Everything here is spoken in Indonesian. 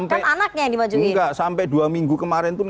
kan anaknya yang dimajuin enggak sampai dua minggu kemarin